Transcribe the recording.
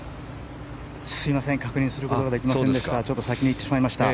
すみません、確認をすることができませんでした。